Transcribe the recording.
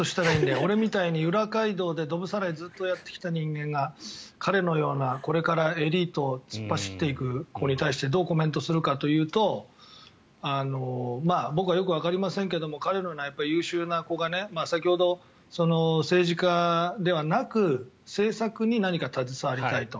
俺みたいに裏街道でどぶさらいずっとやってきたような人間が彼のような、これからエリートを突っ走っていく子に対してどうコメントするかというと僕はよくわかりませんが彼のような優秀な子が先ほど政治家ではなく政策に何か携わりたいと。